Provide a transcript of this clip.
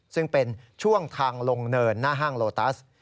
ซึ่งเป็นช่วงทางลงเนินหน้าห้างโลตัส